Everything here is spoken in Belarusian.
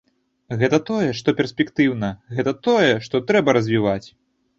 Гэта тое, што перспектыўна, гэта тое, што трэба развіваць.